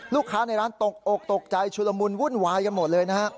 ลูกค้าในร้านตกอกตกใจชุลมุนวุ่นวายกันหมดเลยนะฮะ